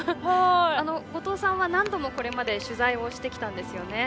後藤さんは何度もこれまで取材をしてきたんですよね。